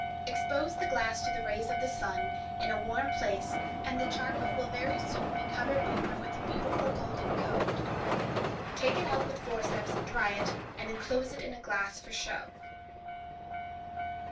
Expose the glass to the rays of the sun, in a warm place, and the charcoal will very soon be covered over with a beautiful golden coat. Take it out with forceps, dry it, and enclose it in a glass for show.